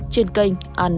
trên kênh ann tv